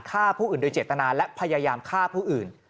ฆ่าผู้อื่นโดยเจตนาและพยายามฆ่าผู้อื่น